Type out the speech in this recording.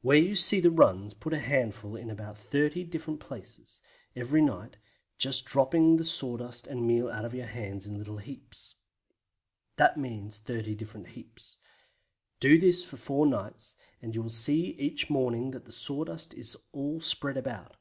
Where you see the runs put a handful in say about 30 different places, every night, just dropping the sawdust and meal out of your hands in little heaps. That means 30 different heaps. Do this for four nights, and you will see each morning that the sawdust is all spread about.